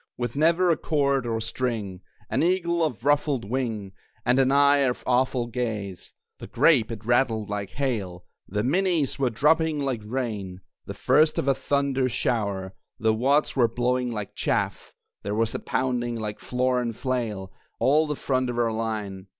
With never a cord or string, An eagle of ruffled wing, And an eye of awful gaze. The grape it rattled like hail, The minies were dropping like rain, The first of a thunder shower; The wads were blowing like chaff (There was pounding like floor and flail, All the front of our line!)